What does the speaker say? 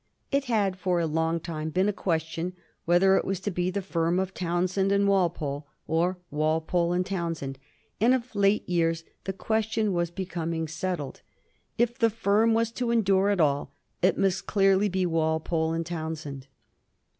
It had for a long time been a question whether it was to be the firm of Townshend and Walpole, or Walpole and Townshend ; and of late years the question was becoming settled. If the firm was to endure at all, it must clearly be Walpole and Townshend.